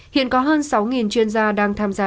hiện có hơn sáu chuyên gia đang tham gia